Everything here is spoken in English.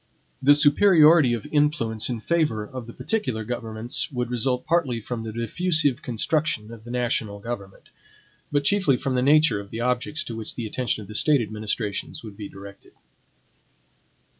The superiority of influence in favor of the particular governments would result partly from the diffusive construction of the national government, but chiefly from the nature of the objects to which the attention of the State administrations would be directed.